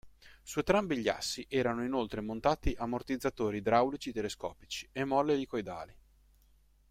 Su entrambi gli assi erano inoltre montati ammortizzatori idraulici telescopici e molle elicoidali.